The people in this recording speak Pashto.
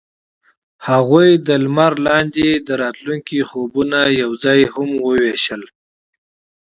هغوی د لمر لاندې د راتلونکي خوبونه یوځای هم وویشل.